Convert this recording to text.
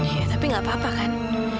iya tapi gak apa apa kan